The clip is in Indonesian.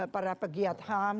para pegiat ham